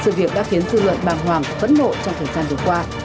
sự việc đã khiến dư luận bàng hoàng phẫn nộ trong thời gian vừa qua